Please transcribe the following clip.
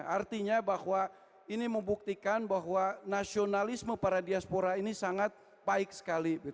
artinya bahwa ini membuktikan bahwa nasionalisme para diaspora ini sangat baik sekali